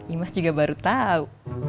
imas juga baru tau